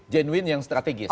genuin yang strategis